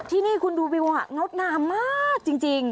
ที่นี่คุณดูวิวงดงามมากจริง